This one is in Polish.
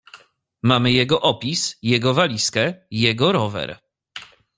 "Mamy jego opis, jego walizkę, jego rower."